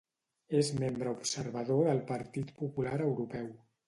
És membre observador del Partit Popular Europeu.